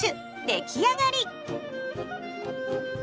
出来上がり。